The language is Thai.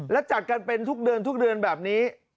และจัดกันเป็นทุกเดือนทุกเดือนแบบนี้